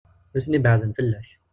Nutni beɛden fell-ak.